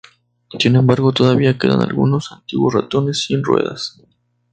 Sin embargo, todavía quedan algunos antiguos ratones sin ruedas.